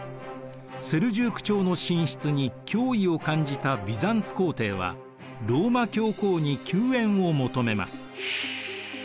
セルジューク朝の進出に脅威を感じたビザンツ皇帝はローマ教皇に救援を求めます。